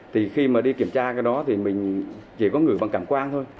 thì khi mà đi kiểm tra cái đó thì mình chỉ có ngửi bằng cảm quang thôi